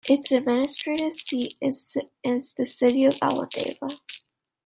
Its administrative seat is the city of Avellaneda.